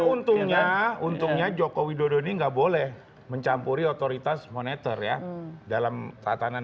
untungnya untungnya jokowi dodoni nggak boleh mencampuri otoritas monitor ya dalam tatanan